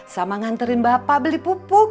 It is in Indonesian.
sama nganterin bapak beli pupuk